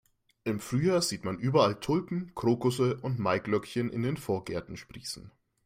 Im Frühjahr sieht man überall Tulpen, Krokusse und Maiglöckchen in den Vorgärten sprießen.